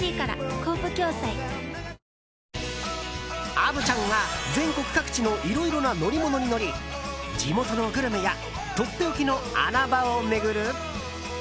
虻ちゃんが全国各地のいろいろな乗り物に乗り地元のグルメやとっておきの穴場を巡る